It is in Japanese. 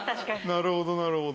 なるほどなるほど。